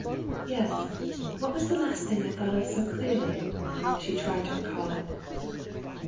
"Yes; what was the last thing I thought of so clearly?" she tried to recall it.